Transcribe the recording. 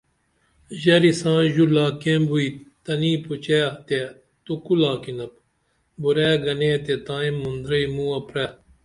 ژری سائیں ژو لاکیم بوئی تنی پوچے تیہ تو کو لاکینپ بُراعیہ گنے تے تائیں مُندرئی موہ پرے